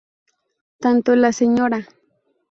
Tanto la Sra.